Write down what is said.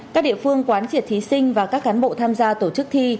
các địa phương quán triệt thí sinh và các cán bộ tham gia tổ chức thi